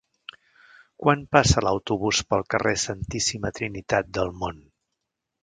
Quan passa l'autobús pel carrer Santíssima Trinitat del Mont?